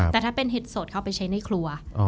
แต่ถ้าเป็นเห็ดสดเข้าไปใช้ในครัว